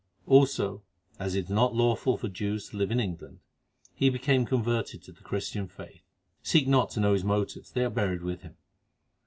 Also, as it is not lawful for Jews to live in England, he became converted to the Christian faith—seek not to know his motives, they are buried with him.